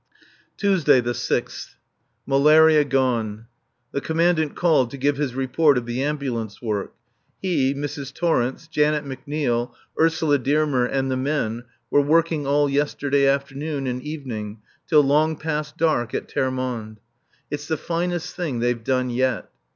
[Tuesday, 6th.] Malaria gone. The Commandant called to give his report of the ambulance work. He, Mrs. Torrence, Janet McNeil, Ursula Dearmer and the men were working all yesterday afternoon and evening till long past dark at Termonde. It's the finest thing they've done yet.